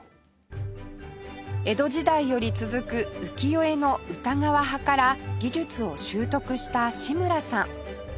江戸時代より続く浮世絵の歌川派から技術を習得した志村さん